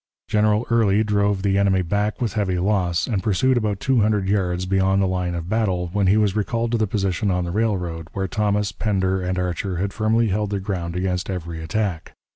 General Early drove the enemy back with heavy loss, and pursued about two hundred yards beyond the line of battle, when he was recalled to the position on the railroad, where Thomas, Pender, and Archer had firmly held their ground against every attack.